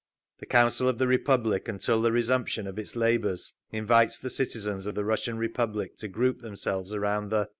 The Council of the Republic, until the resumption of its labours, invites the citizens of the Russian Republic to group themselves around the….